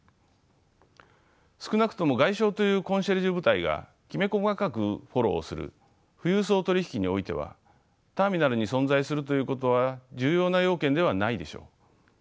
少なくとも外商というコンシェルジュ部隊がきめ細かくフォローする富裕層取り引きにおいてはターミナルに存在するということは重要な要件ではないでしょう。